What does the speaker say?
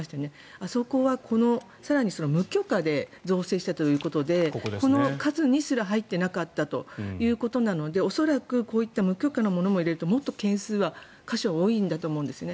あそこは更に無許可で造成していたということでこの数にすら入っていなかったということなので恐らくこういった無許可のものも入れるともっと件数は箇所は多いんだと思うんですね。